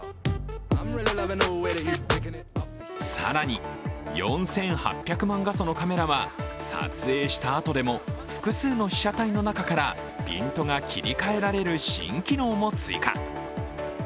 更に、４８００万画素のカメラは撮影したあとでも複数の被写体の中からピントが切り替えられる新機能も追加。